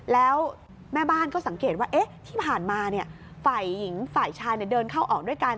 แล้วแม่บ้านก็สังเกตว่าที่ผ่านมาฝ่ายหญิงฝ่ายชายเดินเข้าออกด้วยกัน